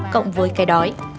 cộng với cái đói